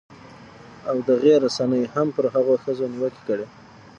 او دغې رسنۍ هم پر هغو ښځو نیوکې کړې